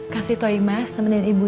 kasih toy mas temenin ibu ya